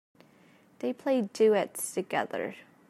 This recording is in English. They play duets together.